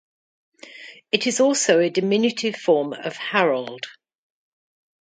It is also a diminutive form of Harold.